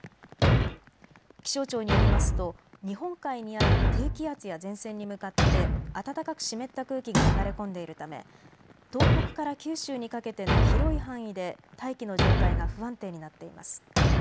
気象庁によりますと日本海にある低気圧や前線に向かって暖かく湿った空気が流れ込んでいるため東北から九州にかけての広い範囲で大気の状態が不安定になっています。